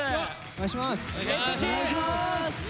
お願いします。